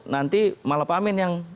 nanti malah pak amin yang